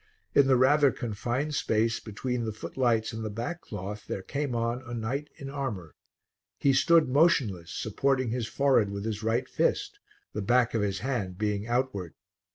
In the rather confined space between the footlights and the back cloth there came on a knight in armour. He stood motionless, supporting his forehead with his right fist, the back of his hand being outward.